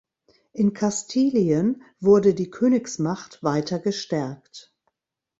In Kastilien wurde die Königsmacht weiter gestärkt.